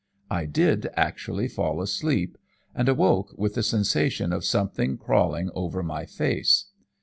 I did actually fall asleep, and awoke with the sensation of something crawling over my face.